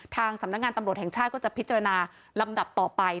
ทางสำนักงานตำรวจแห่งชาติก็จะพิจารณาลำดับต่อไป